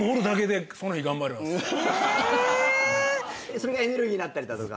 それがエネルギーになったりだとか。